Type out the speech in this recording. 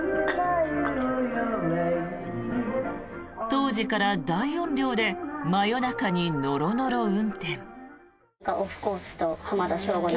当時から大音量で真夜中にノロノロ運転。